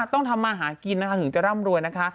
ต้องทำมาหากินนะคะถึงจะร่ำรวยนะคะ